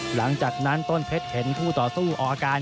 หลังจากนั้นต้นเพชรเห็นคู่ต่อสู้ออกอาการ